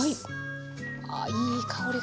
あいい香りが。